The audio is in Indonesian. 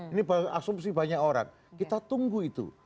ini berasumsi banyak orang kita tunggu itu